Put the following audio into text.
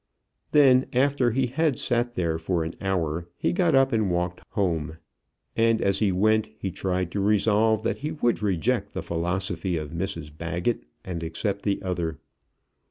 Then after he had sat there for an hour he got up and walked home; and as he went he tried to resolve that he would reject the philosophy of Mrs Baggett and accept the other.